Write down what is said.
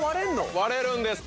・割れるんです。